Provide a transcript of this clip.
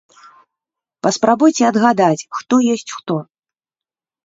Паспрабуйце адгадаць, хто ёсць хто.